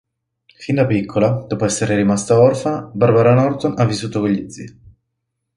Fin da piccola, dopo essere rimasta orfana, Barbara Norton ha vissuto con gli zii.